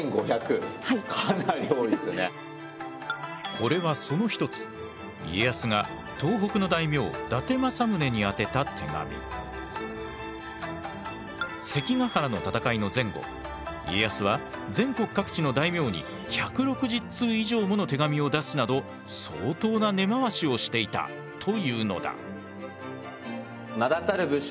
これはその一つ関ヶ原の戦いの前後家康は全国各地の大名に１６０通以上もの手紙を出すなど相当な根回しをしていたというのだ。